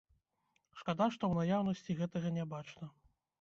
Шкада, што ў наяўнасці гэтага не бачна.